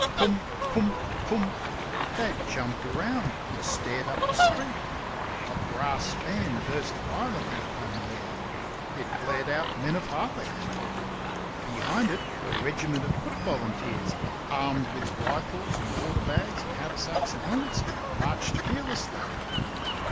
"Pum! pum! pum!" Dad jumped round and stared up the street. A brass band burst violently upon the air. It blared out "Men of Harlech." Behind it a regiment of foot volunteers, armed with rifles and waterbags and haversacks and helmets, marched fearlessly.